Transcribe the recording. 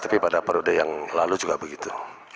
tapi pada periode yang lalu juga begitu